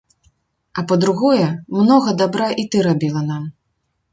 А па-другое, многа дабра і ты рабіла нам.